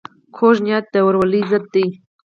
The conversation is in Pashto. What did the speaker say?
کوږه نیت د ورورولۍ ضد وي